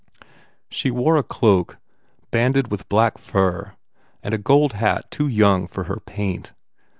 She wore a cloak banded with black fur and a gold hat too young for her paint.